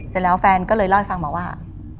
เสร็จแล้วแฟนก็เลยเล่าให้ฟังบอกว่า